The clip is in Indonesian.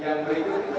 yang berikut itu